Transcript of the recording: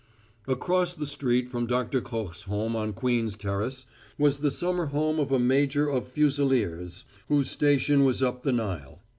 Across the street from Doctor Koch's home on Queen's Terrace was the summer home of a major of fusileers, whose station was up the Nile.